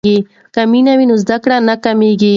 که مینه وي نو زده کړه نه کمیږي.